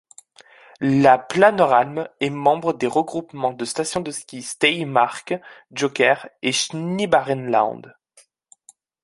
La Planneralm est membre des regroupements de stations de ski Steiermark Joker et Schneebärenland.